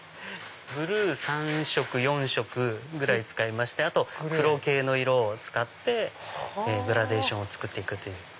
ブルー３色４色ぐらい使いましてあと黒系の色を使ってグラデーションを作って行く。